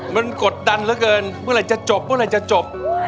มันกดดันเหลือเกินเมื่อไหร่จะจบเมื่อไหร่จะจบ